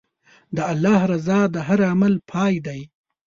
د الله رضا د هر عمل پای دی.